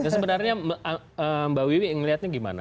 sebenarnya mbak wiwi ngeliatnya gimana